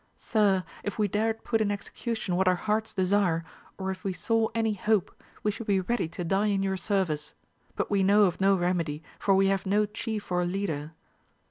Sir, if we dared put in execu tion what our hearts desire, or if we saw any hope, we should be ready to die in your service ; but we know of no remedy, for we have no chief or leader.